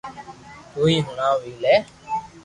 تو ھي ھڻاو وي لي